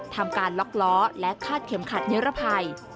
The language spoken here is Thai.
ทำการล็อกล้อและคาดเข็มขัดนิรภัย